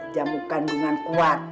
jamu kandungan kuat